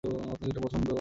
আপনার যেটা পছন্দ।